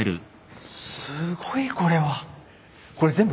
すごいこれは。